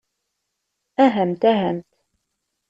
Ahamt, ahamt.